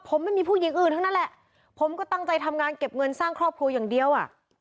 ผมไม่มีผู้หญิงอื่นทั้งนั้นแหละผมก็ตั้งใจทำงานเก็บเงินสร้างครอบครัวอย่างเดียวอ่ะ